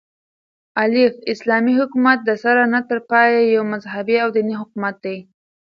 الف : اسلامي حكومت دسره نه تر پايه يو مذهبي او ديني حكومت دى